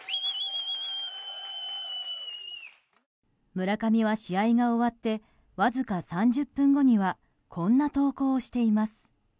村上は試合が終わってわずか３０分後にはこんな投稿をしています。